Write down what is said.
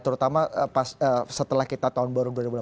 terutama setelah kita tahun baru dua ribu delapan belas